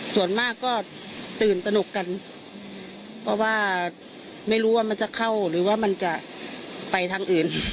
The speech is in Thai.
ส่วนมากก็ตื่นตนกกันเพราะว่าไม่รู้ว่ามันจะเข้าหรือว่ามันจะไปทางอื่น